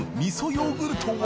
ヨーグルトは？